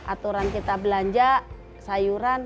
aturan kita belanja sayuran